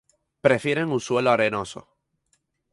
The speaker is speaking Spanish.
Prefieren un suelo arenoso.